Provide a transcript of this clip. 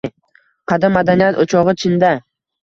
Qadim madaniyat o’chog’i Chinda